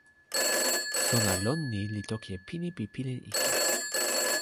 sona lon ni li toki e pini pi pilin ike.